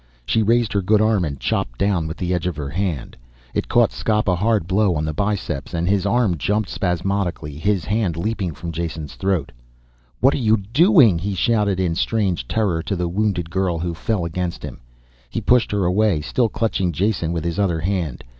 She raised her good arm and chopped down with the edge of her hand. It caught Skop a hard blow on the biceps and his arm jumped spasmodically, his hand leaping from Jason's throat. "What are you doing?" he shouted in strange terror to the wounded girl who fell against him. He pushed her away, still clutching Jason with his other hand.